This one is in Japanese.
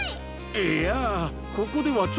いやここではちょっと。